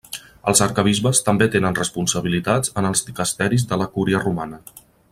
Els arquebisbes també tenen responsabilitats en els dicasteris de la Cúria Romana.